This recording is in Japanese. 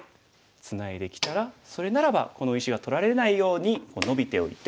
ツナいできたらそれならばこの石が取られないようにこうノビておいて。